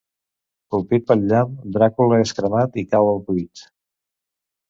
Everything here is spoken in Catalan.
Colpit pel llamp, Dràcula és cremat i cau al buit.